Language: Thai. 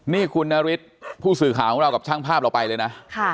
นี่คุณนฤทธิ์ผู้สื่อข่าวของเรากับช่างภาพเราไปเลยนะ